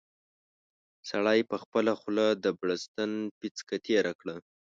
سړي په خپله خوله د بړستن پېڅکه تېره کړه.